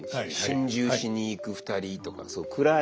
心中しに行く２人とか暗い。